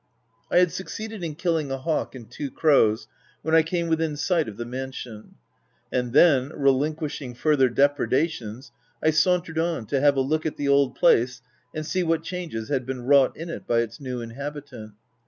I had succeeded in killing a hawk and two crows when I came within sight of the mansion ; and then, relinquishing further depredations, I sauntered on, to have a look at the old place, and see what changes had been wrought in it by its new inhabitant.